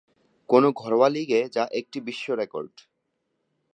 কোন ঘরোয়া লীগে যা একটি বিশ্ব রেকর্ড।